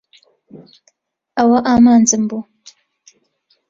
ئەوە ئامانجم بوو.